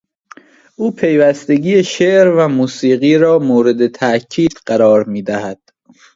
او پیوستگی شعر و موسیقی را مورد تاکید قرار میدهد.